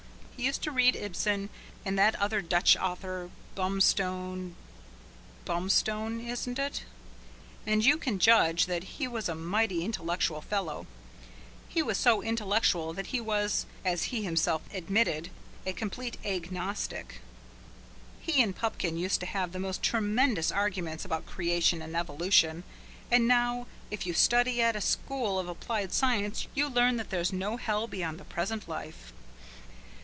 He used to read Ibsen and that other Dutch author Bumstone Bumstone, isn't it? and you can judge that he was a mighty intellectual fellow. He was so intellectual that he was, as he himself admitted, a complete eggnostic. He and Pupkin used to have the most tremendous arguments about creation and evolution, and how if you study at a school of applied science you learn that there's no hell beyond the present life.